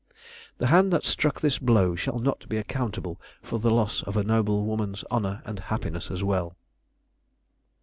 The hand that struck this blow shall not be accountable for the loss of a noble woman's honor and happiness as well.